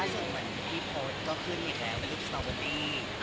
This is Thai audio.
ก็อย่างที่พูดก็คือ